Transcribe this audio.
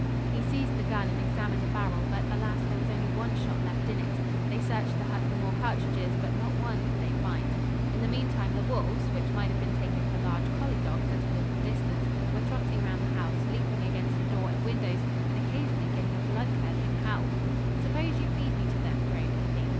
He seized the gun and examined the barrel, but, alas, there was only one shot left in it. They searched the hut for more cartridges, but not one could they find. In the meantime the wolves, which might have been taken for large collie dogs at a little distance, were trotting around the house, leaping against the door and windows and occasionally giving a blood curdling howl. "Suppose you feed me to them?" groaned Hippy.